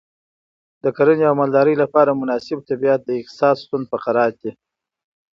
د کرنې او مالدارۍ لپاره مناسب طبیعت د اقتصاد ستون فقرات دی.